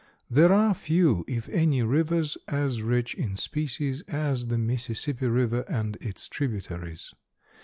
There are few, if any, rivers as rich in species as the Mississippi river and its tributaries.